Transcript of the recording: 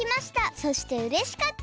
そしてうれしかった！